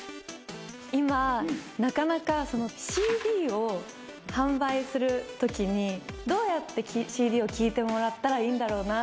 今なかなかＣＤを販売するときにどうやってＣＤを聴いてもらったらいいんだろうなって